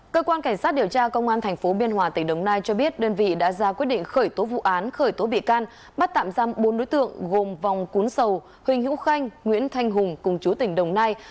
cơ quan cảnh sát điều tra công an tp biên hòa tỉnh đồng nai cho biết đơn vị đã ra quyết định khởi tố vụ án khởi tố bị can bắt tạm giam bốn đối tượng gồm vòng cún sầu huỳnh hữu khanh nguyễn thanh hùng cùng chú tỉnh đồng nai